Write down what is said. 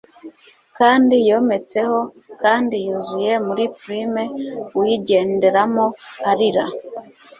kandi yometseho, kandi yuzuye muri plume uyigenderamo arira